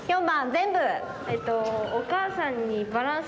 全部。